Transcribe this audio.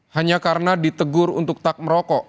hanya karena ditegur untuk tak merokok